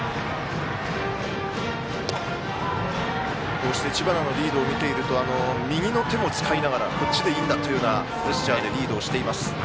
こうして知花のリードを見ていると右の手も使いながらこっちでいいんだというようなジェスチャーでリードしています。